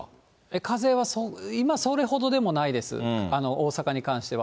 風は今、それほどでもないです、大阪に関しては。